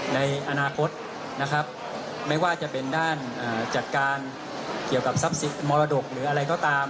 ในอนาคตนะครับไม่ว่าจะเป็นด้านจัดการเกี่ยวกับทรัพย์สินมรดกหรืออะไรก็ตาม